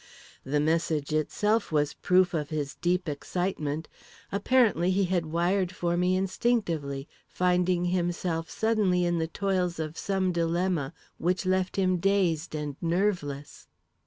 The message itself was proof of his deep excitement. Apparently he had wired for me instinctively, finding himself suddenly in the toils of some dilemma, which left him dazed and nerveless.